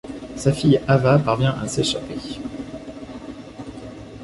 Sa fille, Havaa, parvient à s'échapper.